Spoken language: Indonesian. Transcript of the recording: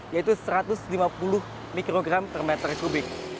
yaitu satu ratus lima puluh mikrogram per meter kubik